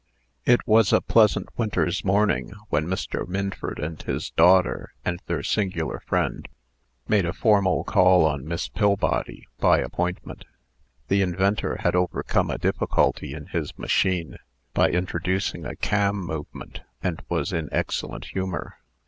It was a pleasant winter's morning, when Mr. Minford and his daughter, and their singular friend, made a formal call on Miss Pillbody, by appointment. The inventor had overcome a difficulty in his machine, by introducing a cam movement, and was in excellent humor.